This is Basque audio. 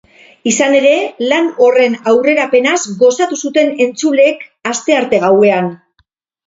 Izan ere, lan horren aurrerapenaz gozatu zuten entzuleek astearte gauean.